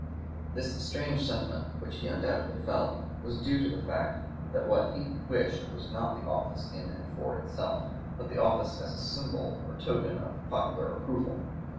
This strange sentiment, which he undoubtedly felt, was due to the fact that what he had wished was not the office in and for itself, but the office as a symbol or token of the popular approval.